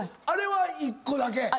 あれは１個だけ？